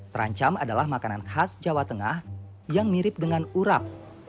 terancam adalah makanan khas jawa tengah yang mirip dengan urap